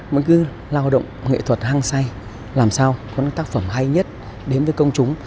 mình cứ lao động nghệ thuật hăng say làm sao có những tác phẩm hay nhất đếm với công chúng